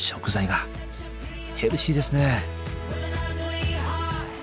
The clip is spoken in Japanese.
ヘルシーですね。